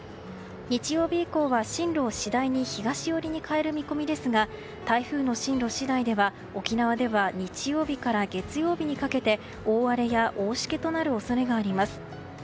日曜日以降は進路を次第に東寄りに変える見込みですが台風の進路次第では沖縄では日曜日から月曜日にかけて大荒れや大しけとなる恐れがあります。